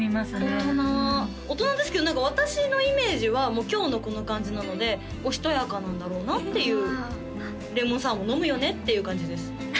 大人大人ですけど何か私のイメージは今日のこの感じなのでおしとやかなんだろうなっていうレモンサワーも飲むよねっていう感じです